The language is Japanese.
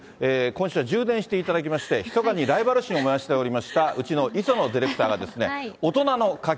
今週は充電していただきまして、ひそかにライバル心を燃やしておりました、うちの磯野ディレクタ